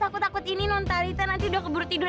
aku takut ini nontalita nanti udah keburu tidur